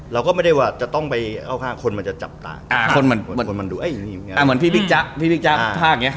เราก็ไม่ได้ว่าจะต้องไปเข้าภาค